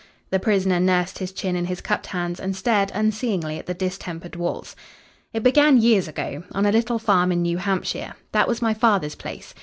The prisoner nursed his chin in his cupped hands and stared unseeingly at the distempered walls. "It began years ago, on a little farm in New Hampshire. That was my father's place.